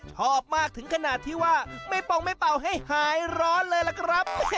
ชอบมากถึงขนาดที่ว่าไม่ปองไม่เป่าให้หายร้อนเลยล่ะครับ